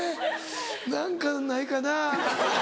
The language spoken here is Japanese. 何かないかな。